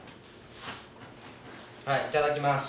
はいいただきます！